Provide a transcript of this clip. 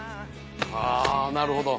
あなるほど。